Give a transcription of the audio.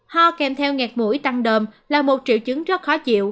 ho kèm theo ngạt mũi tăng đơm là một triệu chứng rất khó chịu